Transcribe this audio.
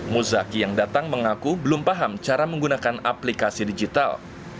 muzaki yang datang mengaku belum paham cara menggunakan aplikasi digital